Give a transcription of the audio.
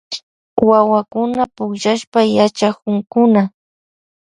Wawakuna pukllashpa yachakunkuna.